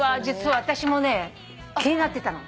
実は私もね気になってたの。